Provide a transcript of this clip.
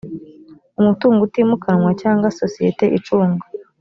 umutungo utimukanwa cyangwa sosiyete icunga